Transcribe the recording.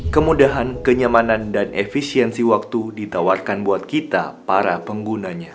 kemudahan kenyamanan dan efisiensi waktu ditawarkan buat kita para penggunanya